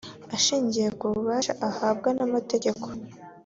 Ashingiye ku bubasha ahabwa n’amategeko